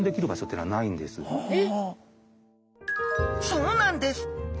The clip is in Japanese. そうなんです！